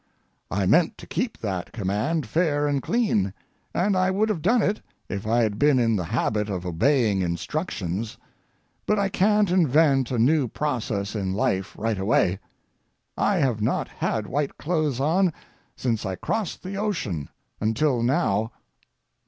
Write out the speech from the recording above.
I meant to keep that command fair and clean, and I would have done it if I had been in the habit of obeying instructions, but I can't invent a new process in life right away. I have not had white clothes on since I crossed the ocean until now.